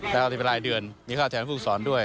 การอธิบายลายเดือนมีค่าแทนฟูกศรด้วย